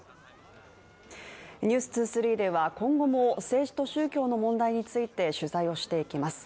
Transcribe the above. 「ｎｅｗｓ２３」では今後も政治と宗教の問題について取材をしていきます。